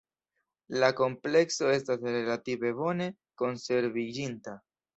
La komplekso estas relative bone konserviĝinta.